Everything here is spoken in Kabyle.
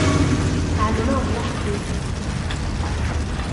Ɛelmeɣ d lḥeqq-ik.